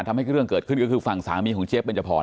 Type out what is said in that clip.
ทำให้เรื่องเกิดขึ้นก็คือฝั่งสามีของเจี๊ยเบนจพร